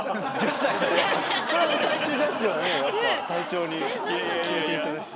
最終ジャッジはねやっぱ隊長に決めていただきたいです。